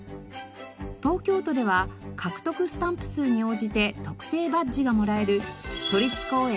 東京都では獲得スタンプ数に応じて特製バッジがもらえる都立公園